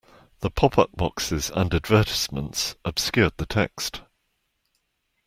The pop-up boxes and advertisements obscured the text